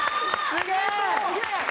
すげえ！